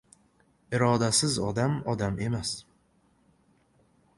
Irodasiz odam — odam emas.